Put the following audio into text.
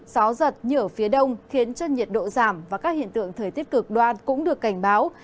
gió giật như ở phía đông khiến cho nhiệt độ giảm và các hiện tượng thời tiết cực đoan cũng được cảnh báo